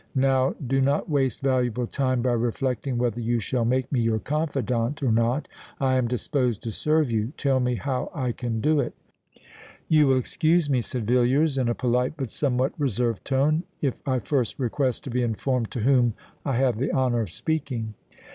"Now do not waste valuable time by reflecting whether you shall make me your confidant, or not. I am disposed to serve you: tell me how I can do it." "You will excuse me," said Villiers in a polite but somewhat reserved tone, "if I first request to be informed to whom I have the honour of speaking."